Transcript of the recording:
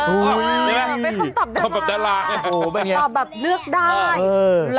เออเป็นคำตอบดาราค่ะคำตอบดาราค่ะตอบแบบเลือกได้หล่อ